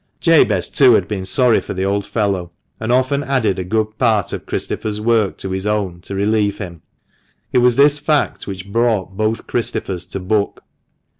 Jabez, too, had been sorry for the old fellow, and often added a good part of Christopher's work to his own, to relieve him. It was this fact which brought both Christophers to book.